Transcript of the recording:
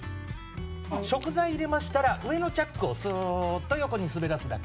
食材入れましたら上のチャックをスーッと横に滑らすだけ。